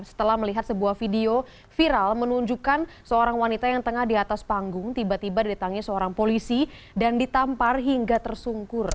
setelah melihat sebuah video viral menunjukkan seorang wanita yang tengah di atas panggung tiba tiba ditangis seorang polisi dan ditampar hingga tersungkur